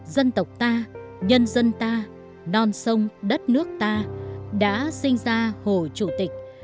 dân tộc ta nhân dân ta non sông đất nước ta đã sinh ra hồ chủ tịch